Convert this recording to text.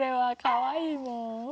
かわいいもん」